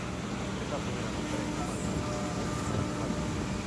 Es la primera mujer en tomar esa posición en Irlanda.